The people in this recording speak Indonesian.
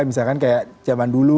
misalkan kayak zaman dulu